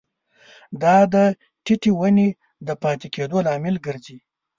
دا د ټیټې ونې د پاتې کیدو لامل ګرځي.